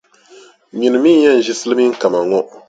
Nyini mi n-yɛn ʒi silimiinʼ kama ŋɔ.